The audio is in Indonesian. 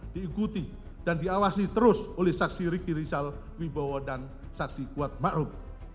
diikuti dan diawasi terus oleh saksi riki rizal wibowo dan saksi kuat makrub